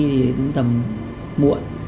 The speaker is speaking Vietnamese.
thì tầm muộn